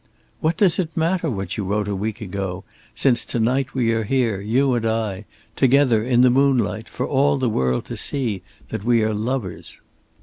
"What does it matter what you wrote a week ago, since to night we are here, you and I together, in the moonlight, for all the world to see that we are lovers."